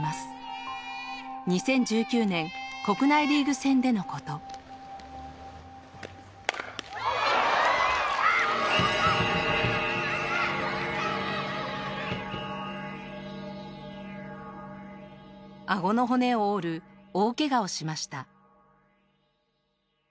２０１９年国内リーグ戦での事あごの骨を折る大ケガをしました